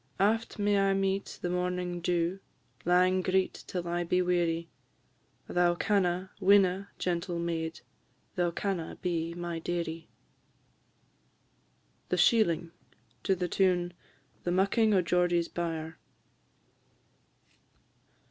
Aft may I meet the morning dew, Lang greet till I be weary; Thou canna, winna, gentle maid! Thou canna be my dearie. THE SHEELING. TUNE _"The Mucking o' Geordie's Byre."